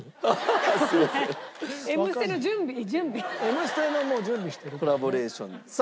『Ｍステ』のもう準備してるからね。